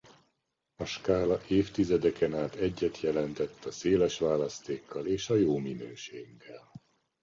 A Skála évtizedeken át egyet jelentett a széles választékkal és a jó minőséggel.